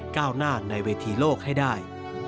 ก้าวหน้าในเวทีโลกให้ได้